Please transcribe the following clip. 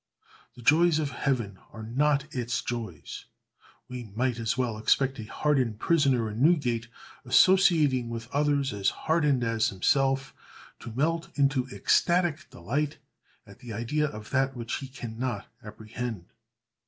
The joys of heaven are not its joys; we might as well expect a hardened prisoner in Newgate, associating with others as hardened as himself, to melt into ecstatic delight at the idea of that which he can not apprehend!